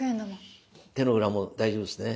手の裏も大丈夫ですね？